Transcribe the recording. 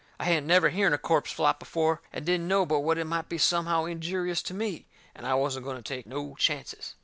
I hadn't never hearn a corpse flop before, and didn't know but what it might be somehow injurious to me, and I wasn't going to take no chances.